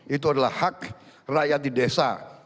itu adalah hak rakyat di desa